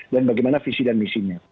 dan bagaimana visi dan misinya